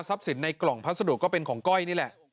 สินในกล่องพัสดุก็เป็นของก้อยนี่แหละ